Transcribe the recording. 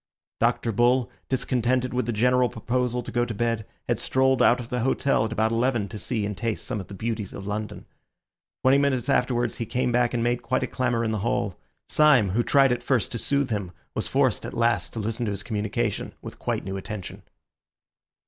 Dr. Bull, discontented with the general proposal to go to bed, had strolled out of the hotel at about eleven to see and taste some of the beauties of London. Twenty minutes afterwards, however, he came back and made quite a clamour in the hall. Syme, who tried at first to soothe him, was forced at last to listen to his communication with quite new attention.